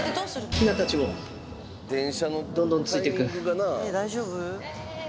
ヒナたちもどんどんついてく。